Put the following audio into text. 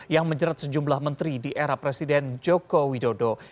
yang menjerat sejumlah menteri di era presiden joko widodo